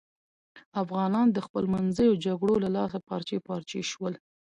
افغانان د خپلمنځیو جگړو له لاسه پارچې پارچې شول.